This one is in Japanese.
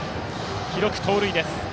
記録、盗塁です。